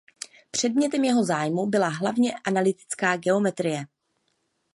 Předmětem jeho zájmu byla hlavně analytická geometrie.